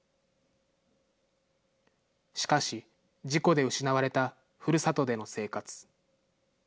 しかし、事故で失われたふるさとでの生活。